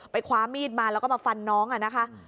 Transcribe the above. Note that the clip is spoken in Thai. คว้ามีดมาแล้วก็มาฟันน้องอะนะคะ